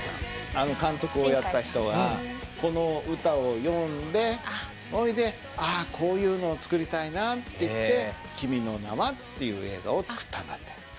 あの監督をやった人はこの歌を読んでほいであこういうのを作りたいなっていって「君の名は。」っていう映画を作ったんだって。